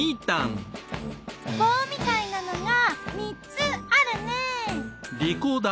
棒みたいなのが３つあるね。